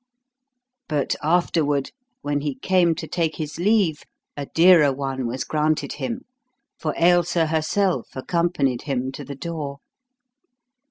But afterward, when he came to take his leave, a dearer one was granted him; for Ailsa herself accompanied him to the door.